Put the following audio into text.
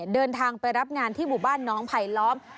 เดินทางไปรับงานที่หมู่บ้านน้องไผลล้อม